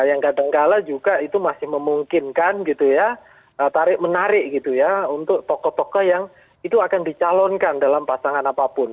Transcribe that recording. yang kadangkala juga itu masih memungkinkan gitu ya tarik menarik gitu ya untuk tokoh tokoh yang itu akan dicalonkan dalam pasangan apapun